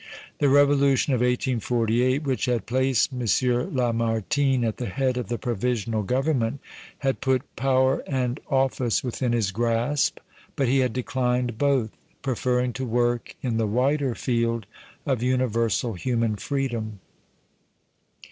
The revolution of 1848, which had placed M. Lamartine at the head of the Provisional Government, had put power and office within his grasp, but he had declined both, preferring to work in the wider field of universal human freedom.